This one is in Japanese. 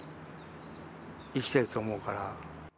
生きてると思うから。